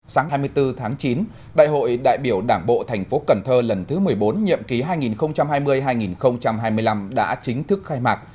sáng hai mươi bốn tháng chín đại hội đại biểu đảng bộ thành phố cần thơ lần thứ một mươi bốn nhiệm ký hai nghìn hai mươi hai nghìn hai mươi năm đã chính thức khai mạc